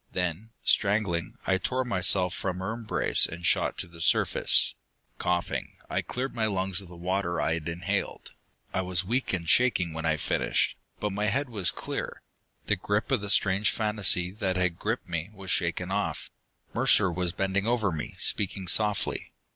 Then, strangling, I tore myself from her embrace and shot to the surface. Coughing, I cleared my lungs of the water I had inhaled. I was weak and shaking when I finished, but my head was clear. The grip of the strange fantasy that had gripped me was shaken off. Mercer was bending over me; speaking softly.